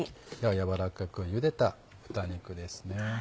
軟らかくゆでた豚肉です。